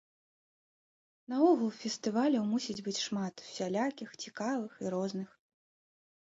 Наогул фестываляў мусіць быць шмат, усялякіх, цікавых і розных.